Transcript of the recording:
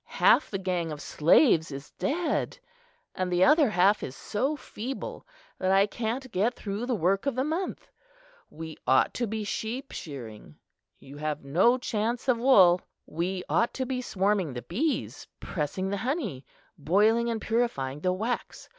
"Half the gang of slaves is dead, and the other half is so feeble, that I can't get through the work of the month. We ought to be sheep shearing; you have no chance of wool. We ought to be swarming the bees, pressing the honey, boiling and purifying the wax.